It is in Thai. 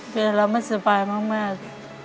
เป็นอะไรไม่สบายมาก